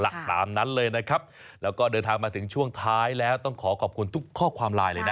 เราก็เดินทางมาถึงช่วงท้ายแล้วต้องขอขอบคุณทุกข้อความไลน์เลยนะ